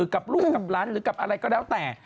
กับล้านหรือกับอะไรก็แล้วแต่